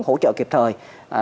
hỗ trợ kịp thời